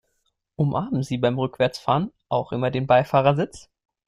Umarmen Sie beim Rückwärtsfahren auch immer den Beifahrersitz?